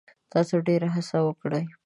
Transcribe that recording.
تاسو ډیره هڅه کړې ده.